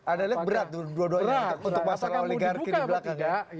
adalah berat untuk masalah oligarki di belakangnya